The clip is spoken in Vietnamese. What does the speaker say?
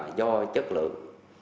là do chất lượng